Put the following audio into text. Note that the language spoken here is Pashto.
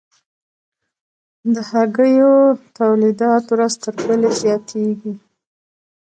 د هګیو تولیدات ورځ تر بلې زیاتیږي